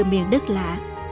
từ miền đất lạ